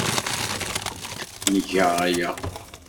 Nga aya.